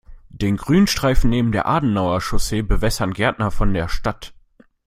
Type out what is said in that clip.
Den Grünstreifen neben der Adenauer-Chaussee bewässern Gärtner von der Stadt.